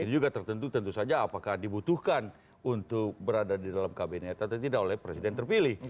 itu juga tertentu tentu saja apakah dibutuhkan untuk berada di dalam kabinet atau tidak oleh presiden terpilih